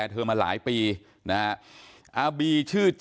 ลองฟังเสียงช่วงนี้ดูค่ะ